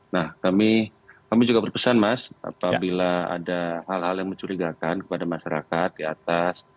nah kami juga berpesan mas apabila ada hal hal yang mencurigakan kepada masyarakat di atas